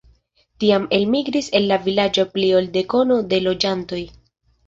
Tiam elmigris el la vilaĝo pli ol dekono de loĝantoj.